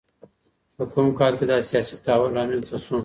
په کوم کال کي دا سياسي تحول رامنځته سو؟